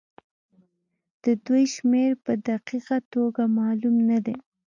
د دوی شمېر په دقيقه توګه معلوم نه دی.